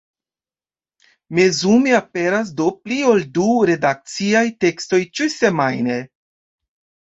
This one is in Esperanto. Mezume aperas do pli ol du redakciaj tekstoj ĉiusemajne.